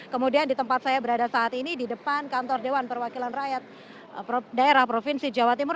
kemudian di tempat saya berada saat ini di depan kantor dewan perwakilan rakyat daerah provinsi jawa timur